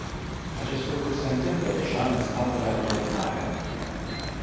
Acest lucru se întâmplă deja în statele autoritare.